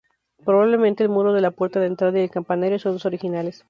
Probablemente el muro de la puerta de entrada y el campanario son los originales.